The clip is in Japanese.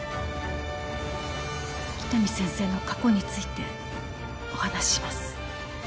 喜多見先生の過去についてお話しします